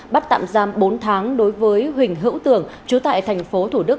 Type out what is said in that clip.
bắt tạm giam bốn tháng đối với huỳnh hữu tường chú tại thành phố thủ đức